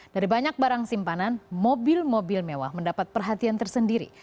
dari banyak barang simpanan mobil mobil mewah mendapat perhatian tersendiri